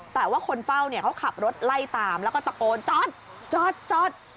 แต่ว่าคนเฝ้าเนี่ยเขาขับรถไล่ตามแล้วก็ตะโกนจอดจอด